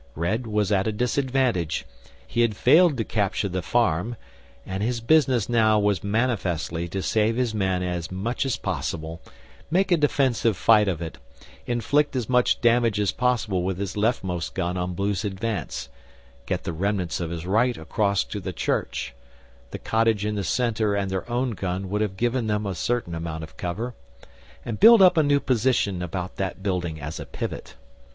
Red was at a disadvantage, he had failed to capture the farm, and his business now was manifestly to save his men as much as possible, make a defensive fight of it, inflict as much damage as possible with his leftmost gun on Blue's advance, get the remnants of his right across to the church the cottage in the centre and their own gun would have given them a certain amount of cover and build up a new position about that building as a pivot.